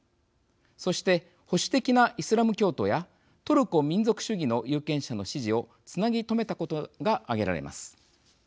そして保守的なイスラム教徒やトルコ民族主義の有権者の支持をつなぎとめたことが挙げられます。